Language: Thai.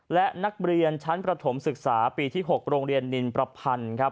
และนักเรียนชั้นประถมศึกษาปีที่๖โรงเรียนนินประพันธ์ครับ